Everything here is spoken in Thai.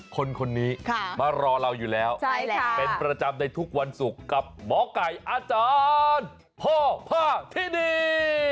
คนนี้มารอเราอยู่แล้วเป็นประจำในทุกวันศุกร์กับหมอไก่อาจารย์พ่อผ้าที่นี่